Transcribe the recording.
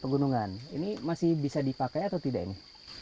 pegunungan ini masih bisa dipakai atau tidak ini